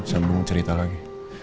sembung cerita lagi